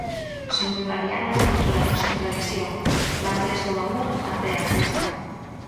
Son moi variadas dentro da nosa tradición, van desde o amor até a festa.